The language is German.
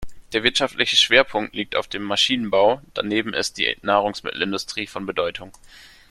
Der wirtschaftliche Schwerpunkt liegt auf dem Maschinenbau, daneben ist die Nahrungsmittelindustrie von Bedeutung.